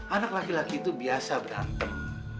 anak laki laki itu biasa berantem